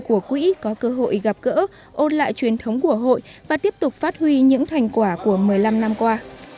của quỹ có cơ hội gặp gỡ ôn lại truyền thống của hội và tiếp tục phát huy những thành quả của một mươi năm năm qua